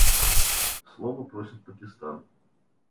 Слова просит Пакистан.